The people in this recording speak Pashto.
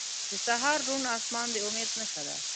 • د سهار روڼ آسمان د امید نښه ده.